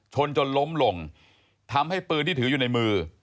จนล้มลงทำให้ปืนที่ถืออยู่ในมือ